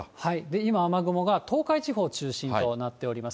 今、雨雲が東海地方中心となっております。